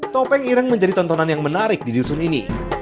topeng ireng menjadi tontonan yang menarik di dusun ini